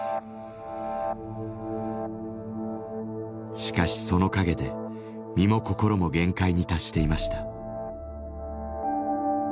しかしその陰で身も心も限界に達していました。